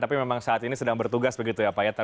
tapi memang saat ini sedang bertugas begitu ya pak ya